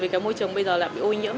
vì cái môi trường bây giờ là bị ô nhiễm